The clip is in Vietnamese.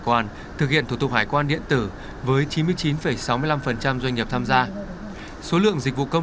quan thực hiện thủ tục hải quan điện tử với chín mươi chín sáu mươi năm doanh nghiệp tham gia số lượng dịch vụ công